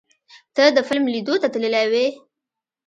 ته د فلم لیدو ته تللی وې؟